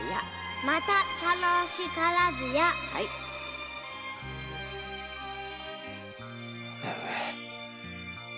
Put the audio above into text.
〔「また楽しからずや」〕義姉上。